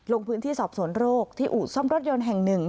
ลงพื้นที่สอบสวนโรคที่อู่ซ่อมรถยนต์แห่งหนึ่ง